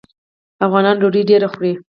افغانان ډوډۍ ډیره خوري.